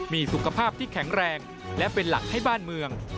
มีสุขภาพที่แข็งแรงและเป็นหลักให้บ้านเมือง